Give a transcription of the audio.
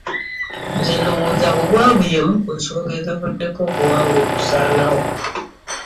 Nze ndowooza obwavu y'emu ku nsonga ezivuddeko obuwangwa okusaanawo.